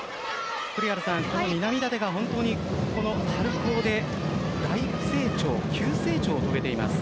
この南舘が本当に春高で大成長、急成長を遂げています。